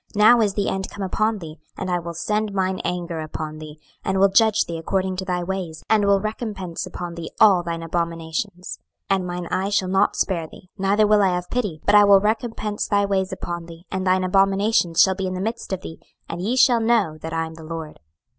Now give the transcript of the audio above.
26:007:003 Now is the end come upon thee, and I will send mine anger upon thee, and will judge thee according to thy ways, and will recompense upon thee all thine abominations. 26:007:004 And mine eye shall not spare thee, neither will I have pity: but I will recompense thy ways upon thee, and thine abominations shall be in the midst of thee: and ye shall know that I am the LORD.